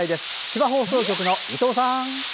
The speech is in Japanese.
千葉放送局の伊藤さん。